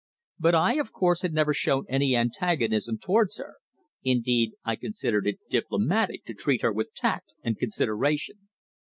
But I, of course, had never shown any antagonism towards her; indeed, I considered it diplomatic to treat her with tact and consideration.